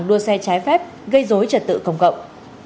đua xe trái phép gây dối trật tự công cộng